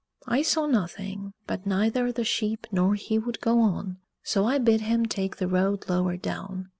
I saw nothing, but neither the sheep nor he would go on, so I bid him take the road lower down.